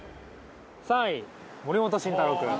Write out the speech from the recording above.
３位森本慎太郎くん